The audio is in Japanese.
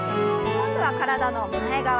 今度は体の前側。